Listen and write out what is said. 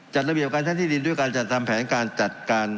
จัดระเบียบการใช้ที่ดินด้วยการจัดทำแผนการจัดการ